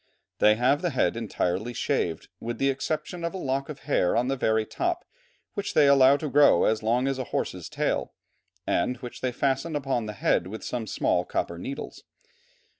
They have the head entirely shaved, with the exception of a lock of hair on the very top, which they allow to grow as long as a horse's tail, and which they fasten upon the head with some small copper needles.